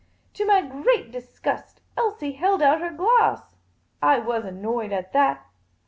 To my great disgust, Elsie held out her glass. I was annoyed at that.